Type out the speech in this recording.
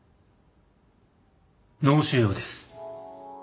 脳腫瘍です。